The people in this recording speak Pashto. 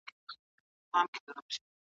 که طبیعي چینې وساتو نو ژوند نه مري.